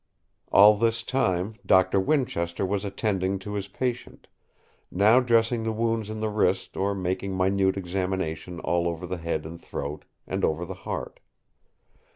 All this time Doctor Winchester was attending to his patient; now dressing the wounds in the wrist or making minute examination all over the head and throat, and over the heart.